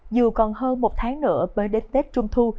dù còn hơn một tháng nữa bởi đến tết trung thu